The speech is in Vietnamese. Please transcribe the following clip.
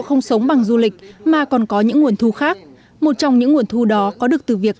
không sống bằng du lịch mà còn có những nguồn thu khác một trong những nguồn thu đó có được từ việc